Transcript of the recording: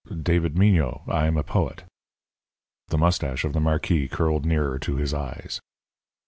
"David Mignot. I am a poet." The moustache of the marquis curled nearer to his eyes.